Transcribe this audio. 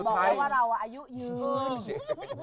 เราบอกเลยว่าเราอายุเยื่ม